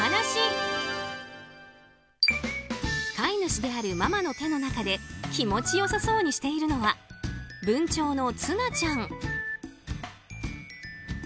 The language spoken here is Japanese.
飼い主であるママの手の中で気持ち良さそうにしているのは文鳥のつなちゃん。